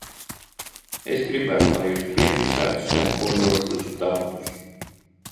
Es gribētu, lai jūs piefiksētu sekojošus datus.